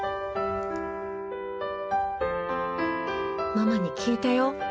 ママに聞いたよ。